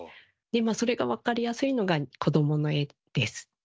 それがわかりやすいのが子どもの絵です。